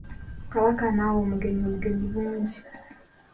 Kabaka n'awa omugenyi obugenyi bungi.